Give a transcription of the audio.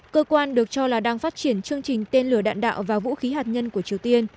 cơ quan được cho là đang phát triển chương trình tên lửa đạn đạo và vũ khí hạt nhân của triều tiên